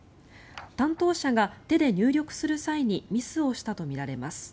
担当者が手で入力する際にミスをしたとみられます。